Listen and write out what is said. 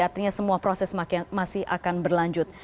artinya semua proses masih akan berlanjut